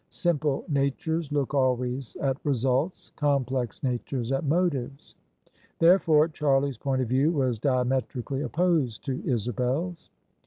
Simple natures look always at results; complex natures at motives. Therefore Charlie's point of view was diametrically opposed to Isabel's.